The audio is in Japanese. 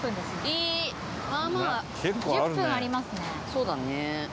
そうだね。